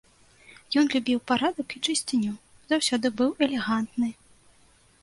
Ён любіў парадак і чысціню, заўсёды быў элегантны.